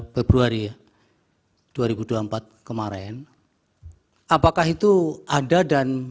februari dua ribu dua puluh empat kemarin apakah itu ada dan